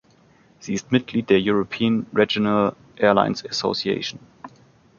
Sie ist Mitglied der European Regional Airlines Association.